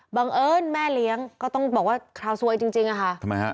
บังเอิญแม่เลี้ยงก็ต้องบอกว่าคราวซวยจริงจริงอะค่ะทำไมฮะ